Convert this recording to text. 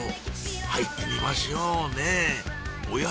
入ってみましょうねおや？